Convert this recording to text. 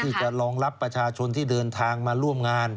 ที่จะรองรับประชาชนที่เดินทางมาร่วมงาน